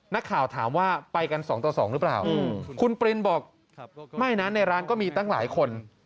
นักข่าวถามว่าไปกัน๒ต่อ๒หรือเปล่าคุณปรินบอกไม่นะในร้านก็มีตั้งหลายคน